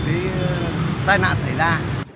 như tai nạn xảy ra